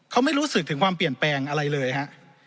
เขาไม่รู้สึกถึงความเปลี่ยนแปลงอะไรเลยฮะ